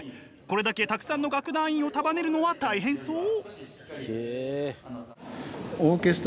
これだけたくさんの楽団員を束ねるのは大変そう。